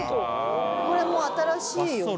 これも新しいよね。